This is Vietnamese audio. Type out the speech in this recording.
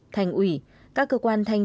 thành ủy các cơ quan thanh tra